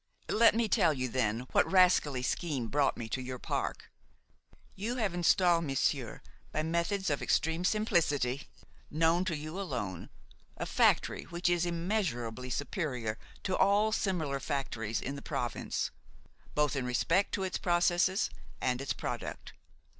Let me tell you than what rascally scheme brought me to your park. You have installed, monsieur, by methods of extreme simplicity, known to you alone, a factory which is immeasurably superior to all similar factories in the province, both in respect to its processes and its product.